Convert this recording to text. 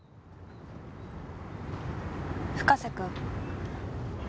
深瀬君？